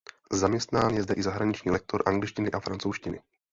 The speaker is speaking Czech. Zaměstnán je zde i zahraniční lektor angličtiny a francouzštiny.